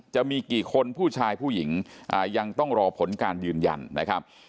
จะมีกี่คนผู้ชายผู้หญิงยังต้องรอผลการยืนยันนะครับ